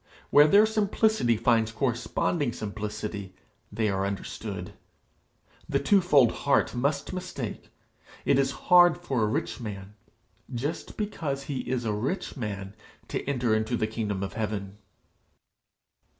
Where their simplicity finds corresponding simplicity, they are understood. The twofold heart must mistake. It is hard for a rich man, just because he is a rich man, to enter into the kingdom of heaven.'